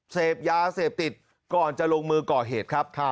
เสพยาเสพติดก่อนจะลงมือก่อเหตุครับ